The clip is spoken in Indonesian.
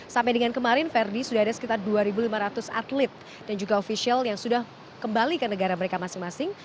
sampai dengan kemarin verdi sudah ada sekitar dua lima ratus atlet dan juga ofisial yang sudah kembali ke negara mereka masing masing